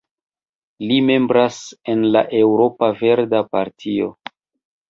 Ŝi membras en la Eŭropa Verda Partio.